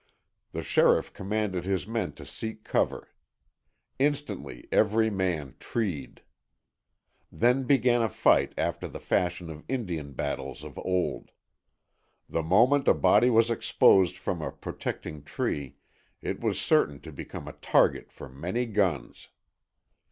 The sheriff commanded his men to seek cover. Instantly every man "treed." Then began a fight after the fashion of Indian battles of old. The moment a body was exposed from a protecting tree, it was certain to become a target for many guns.